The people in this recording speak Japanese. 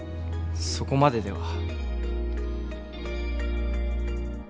そこまででは。